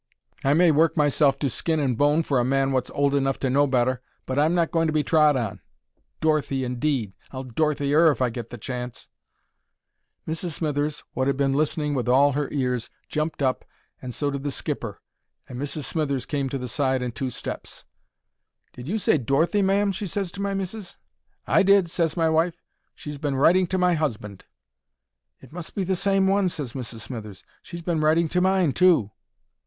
I may work myself to skin and bone for a man wot's old enough to know better, but I'm not going to be trod on. Dorothy, indeed! I'll Dorothy 'er if I get the chance." Mrs. Smithers, wot 'ad been listening with all her ears, jumped up, and so did the skipper, and Mrs. Smithers came to the side in two steps. "Did you say 'Dorothy,' ma'am?" she ses to my missis. "I did," ses my wife. "She's been writing to my husband." "It must be the same one," ses Mrs. Smithers. "She's been writing to mine too."